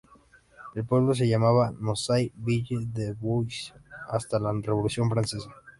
El pueblo se llamaba Nozay-Ville du Bois, hasta la revolución francesa.